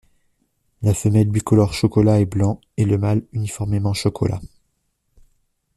La femelle bicolore chocolat et blanc et le mâle uniformément chocolat.